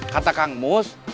kata kang mus